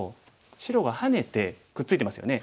白がハネてくっついてますよね。